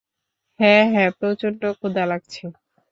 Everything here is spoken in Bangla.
হ্যাঁ, হ্যাঁ, প্রচন্ড ক্ষুধা লাগছে।